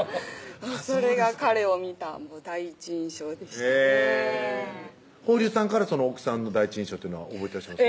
それが彼を見た第一印象でしたへぇ峰龍さんから奥さんの第一印象っていうのは覚えてらっしゃいます？